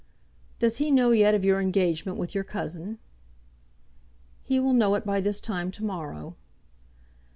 "Does he know yet of your engagement with your cousin?" "He will know it by this time to morrow."